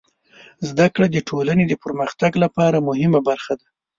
زدهکړه د ټولنې د پرمختګ لپاره مهمه برخه ده.